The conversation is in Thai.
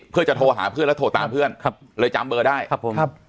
เพื่อจะโทรหาเพื่อนแล้วโทรตามเพื่อนครับเลยจำเบอร์ได้ครับผมครับ